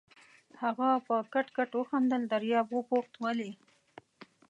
هغه په کټ کټ وخندل، دریاب وپوښت: ولې؟